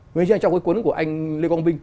nên trên trong cái cuốn của anh lê quang vinh